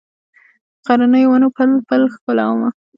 غرنیو ونو پل، پل ښکلومه